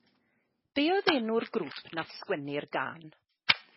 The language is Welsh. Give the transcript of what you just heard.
Be oedd enw'r grŵp nath sgwennu'r gân?